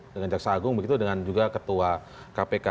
dengan jaksa agung begitu dengan juga ketua kpk